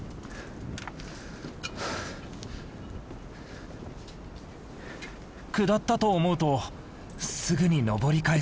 下ったと思うとすぐに登り返す。